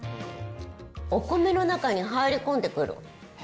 お米の中に入り込んでくる。